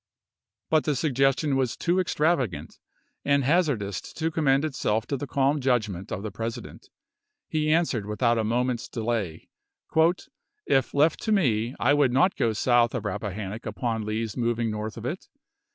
But the suggestion was too extravagant and haz ardous to commend itself to the calm judgment of the President. He answered without a moment's delay, "If left to me, I would not go south of Rappahannock upon Lee's moving north of it.